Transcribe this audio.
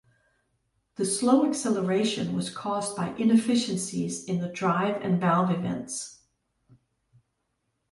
The slow acceleration was caused by inefficiencies in the drive and valve events.